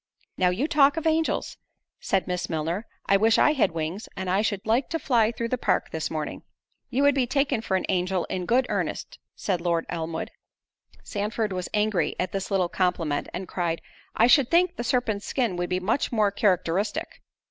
"Now you talk of angels," said Miss Milner, "I wish I had wings; and I should like to fly through the park this morning." "You would be taken for an angel in good earnest," said Lord Elmwood. Sandford was angry at this little compliment, and cried, "I should think the serpent's skin would be much more characteristic."